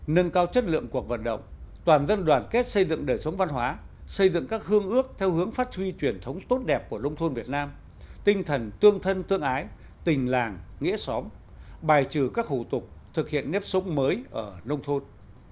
nâng cao chất lượng cuộc vận động toàn dân đoàn kết xây dựng đời sống văn hóa xây dựng các hương ước theo hướng phát huy truyền thống tốt đẹp của nông thôn việt nam tinh thần tương thân tương ái tình làng nghĩa xóm bài trừ các hủ tục thực hiện nếp sống mới ở nông thôn